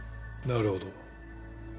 なるほど。